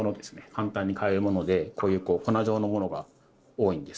簡単に買えるものでこういう粉状のものが多いんです。